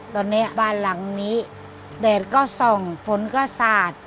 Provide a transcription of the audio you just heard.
ตอนนี้บ้านหลังนี้แดดก็ส่องฝนก็สาด